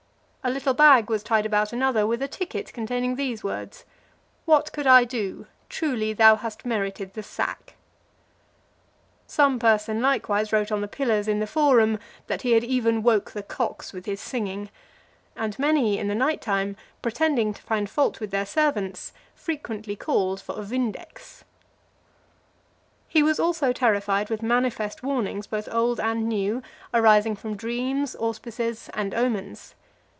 A little bag was tied about another, with a ticket containing these words; "What could I do?" "Truly thou hast merited the sack." Some person likewise wrote on the pillars in the forum, "that he had even woke the cocks with his singing." And many, in the night time, pretending to find fault with their servants, frequently called for a Vindex. XLVI. He was also terrified with manifest warnings, both old and new, arising from dreams, auspices, and omens.